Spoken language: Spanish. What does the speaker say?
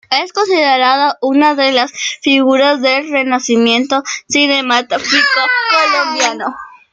Es considerado una de las figuras del renacimiento cinematográfico colombiano.